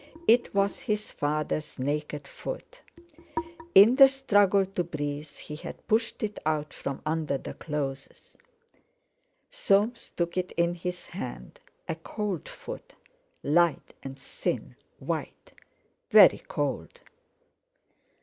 It was his father's naked foot. In the struggle to breathe he had pushed it out from under the clothes. Soames took it in his hand, a cold foot, light and thin, white, very cold.